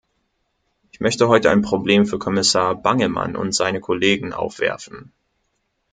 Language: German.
Ich möchte heute ein Problem für Kommissar Bangemann und seine Kollegen aufwerfen.